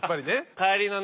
帰りのね